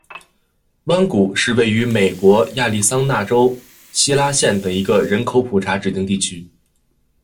弯谷是位于美国亚利桑那州希拉县的一个人口普查指定地区。